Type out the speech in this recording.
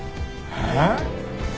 えっ！？